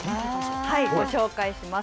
ご紹介します。